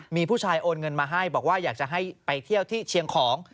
มีผู้ชายโอนเงินมาให้บอกว่าอยากจะให้ไปเที่ยวที่เชียงของ